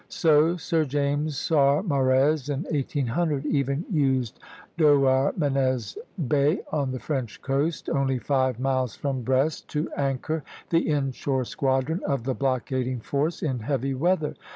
So Sir James Saumarez in 1800 even used Douarnenez Bay, on the French coast, only five miles from Brest, to anchor the in shore squadron of the blockading force in heavy weather.